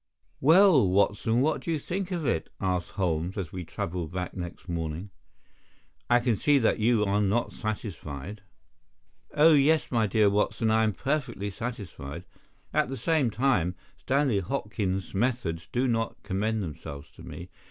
"Well, Watson, what do you think of it?" asked Holmes, as we travelled back next morning. "I can see that you are not satisfied." "Oh, yes, my dear Watson, I am perfectly satisfied. At the same time, Stanley Hopkins's methods do not commend themselves to me.